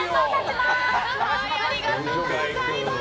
ありがとうございます。